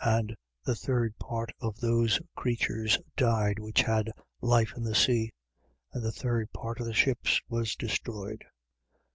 8:9. And the third part of those creatures died which had life in the sea: and the third part of the ships was destroyed.